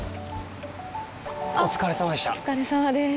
お疲れさまでした。